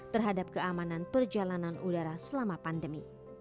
terhadap keamanan perjalanan udara selama pandemi